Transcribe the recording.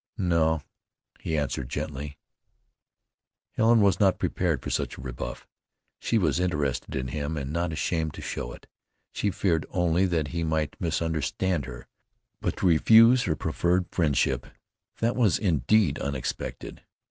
"No," he answered gently. Helen was not prepared for such a rebuff. She was interested in him, and not ashamed to show it. She feared only that he might misunderstand her; but to refuse her proffered friendship, that was indeed unexpected.